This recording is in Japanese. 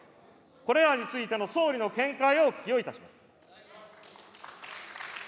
これらについての総理の見解をお聞きをいたします。